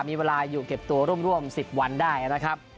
มีเวลาอยู่เก็บตัวร่วม๑๐วันได้นะครับ